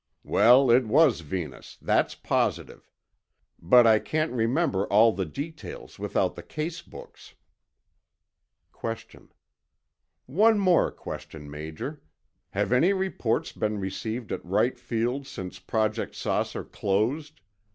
Well, it was Venus, that's positive. But I can't remember all the details without the case books. Q. One more question, Major. Have any reports been received at Wright Field since Project "Saucer" closed?